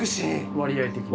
割合的に。